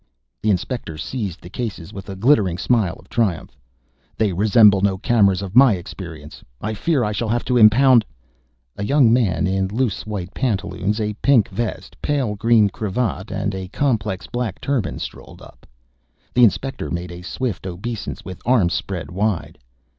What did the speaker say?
The inspector seized the cases with a glittering smile of triumph. "They resemble no cameras of my experience; I fear I shall have to impound ..." A young man in loose white pantaloons, a pink vest, pale green cravat and a complex black turban strolled up. The inspector made a swift obeisance, with arms spread wide.